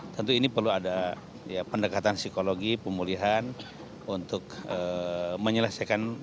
tentu ini perlu ada pendekatan psikologi pemulihan untuk menyelesaikan